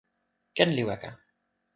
ken li weka.